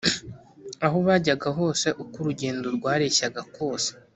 aho bajyaga hose, uko urugendo rwareshyaga kose